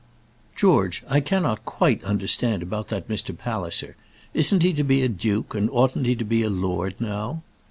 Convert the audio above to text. "George, I cannot quite understand about that Mr. Palliser. Isn't he to be a duke, and oughtn't he to be a lord now?"